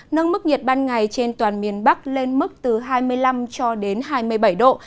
nâng mức nhiệt ban ngày trên toàn miền bắc lên mức từ hai mươi năm cho đến hai mươi bảy độ